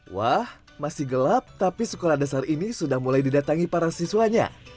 wah masih gelap tapi sekolah dasar ini sudah mulai didatangi para siswanya